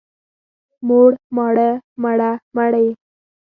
موړ، ماړه، مړه، مړې.